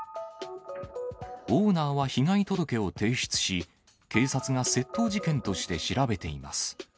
オーナーは被害届を提出し、警察が窃盗事件として調べています。